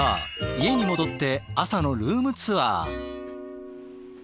家に戻って朝のルームツアー。